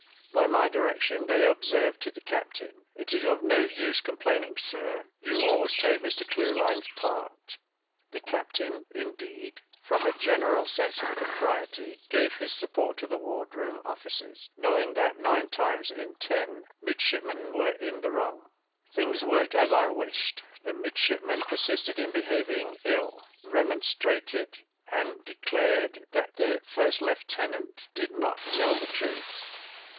By my direction, they observed to the captain, "It is of no use complaining, sir; you always take Mr Clewline's part." The captain, indeed, from a general sense of propriety, gave his support to the ward room officers, knowing that, nine times in ten, midshipmen were in the wrong. Things worked as I wished; the midshipmen persisted in behaving ill remonstrated, and declared that the first lieutenant did not tell the truth.